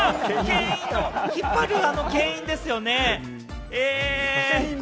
引っ張る、あのけん引ですよね？